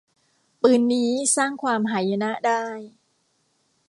ปืนนี้สร้างความหายนะได้